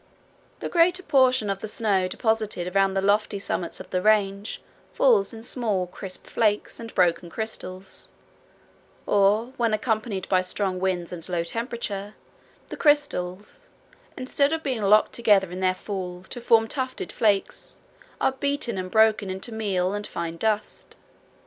The greater portion of the snow deposited around the lofty summits of the range falls in small crisp flakes and broken crystals, or, when accompanied by strong winds and low temperature, the crystals, instead of being locked together in their fall to form tufted flakes, are beaten and broken into meal and fine dust.